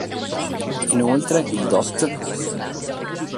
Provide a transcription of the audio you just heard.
Inoltre, il Dott.